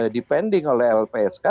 depending oleh lpsk